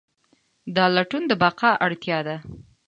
دا لټون د بقا اړتیا ده.